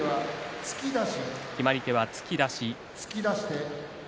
決まり手、突き出し。